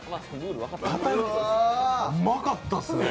うまかったすね。